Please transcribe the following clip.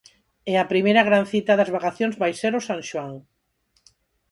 E a primeira gran cita das vacacións vai ser o San Xoán.